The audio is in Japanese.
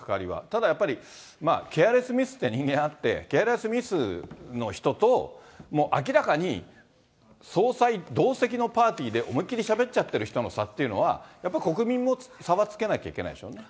ただやっぱり、ケアレスミスって人間あって、ケアレスミスの人と、もう明らかに、総裁同席のパーティーで、思いっきりしゃべっちゃってる人との差っていうのは、やっぱり国民も差はつけなきゃいけないですよね。